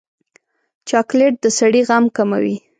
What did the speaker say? چاکلېټ د سړي غم کموي.